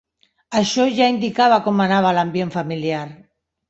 Això ja indicava com anava l'ambient familiar.